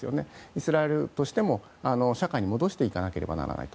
イスラエルとしても、社会に戻していかなくてはならない。